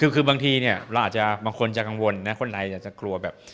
คือบางทีเราอาจจะบางคนจะกังวลคนไหนจะกลัวแบบ